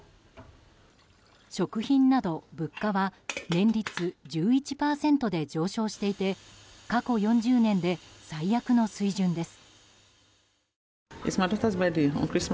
食品など、物価は年率１１％で上昇していて過去４０年で最悪の水準です。